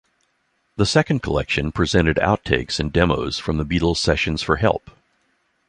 The second collection presented out-takes and demos from the Beatles' sessions for Help!